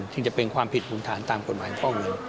ซึ่งจะเป็นความผิดมูลฐานตามกฎหมายฟอกเงิน